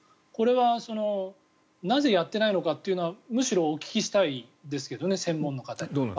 これはなぜやっていないのかっていうのはむしろお聞きしたいんですけどね専門の人に。